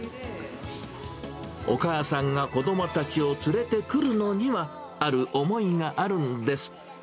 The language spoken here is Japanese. お母さんが子どもたちを連れてくるのには、ある思いがあるんです。